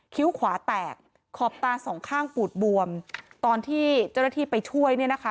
้วขวาแตกขอบตาสองข้างปูดบวมตอนที่เจ้าหน้าที่ไปช่วยเนี่ยนะคะ